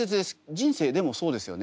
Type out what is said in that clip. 人生でもそうですよね。